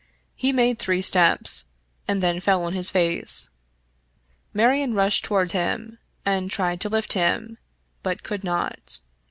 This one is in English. He made three steps, and then fell on his face. Marion rushed toward him, and tried to lift him, but could not.